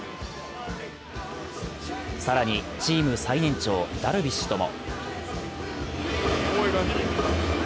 更に、チーム最年長、ダルビッシュとも。